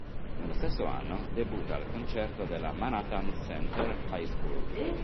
Nello stesso anno, debutta al concerto della Manhattan Center High School.